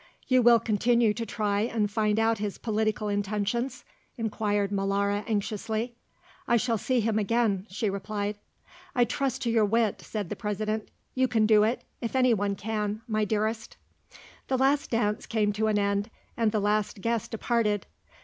"You will continue to try and find out his political intentions?" inquired Molara anxiously. "I shall see him again," she replied. "I trust to your wit," said the President; "you can do it, if anyone can, my dearest." The last dance came to an end and the last guest departed.